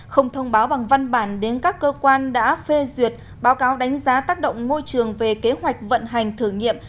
không thông báo bằng văn bản đến các cơ quan đã phê duyệt báo cáo đánh giá tác động môi trường về kế hoạch vận hành thử nghiệm